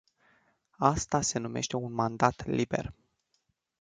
Asta se numește un mandat liber.